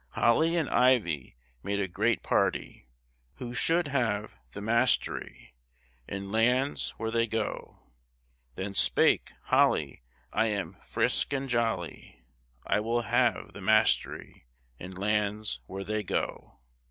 "Holly and Ivy made a great party, Who should have the mastery In lands where they go. Then spake Holly, I am friske and jolly, I will have the mastery In lands where they go."